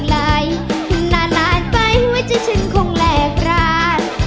นานนานไปไว้ใจฉันคงแลกลาน